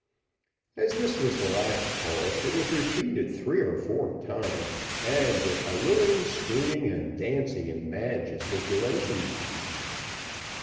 As this was the last chorus, it was repeated three or four times, and with hallooing, screaming, and dancing in mad gesticulation.